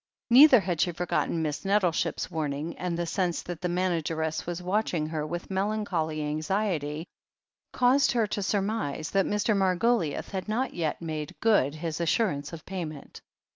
Neither had she forgotten Miss Nettleship's warn ing, and the sense that the manageress was watching her with melancholy anxiety caused her to surmise that Mr. Margoliouth had not yet made good his as surance of payment.